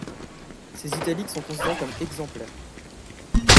Ses italiques sont considérés comme exemplaires.